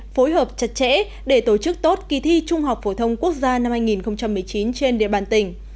phối hợp chặt chẽ để tổ chức tốt kỳ thi trung học phổ thông quốc gia năm hai nghìn một mươi chín trên địa bàn tỉnh